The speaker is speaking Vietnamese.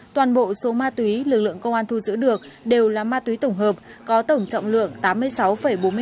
toàn bộ số ma túy lực lượng công an thu giữ được đều là ma túy tổng hợp có tổng trọng lượng tám mươi sáu bốn mươi năm